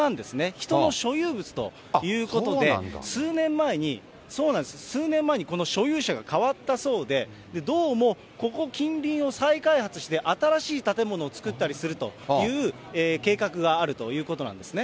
人の所有物ということで、数年前にこの所有者が変わったそうで、どうもここ、近隣を再開発して新しい建物を造ったりするという計画があるということなんですね。